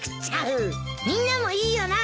みんなもいいよな？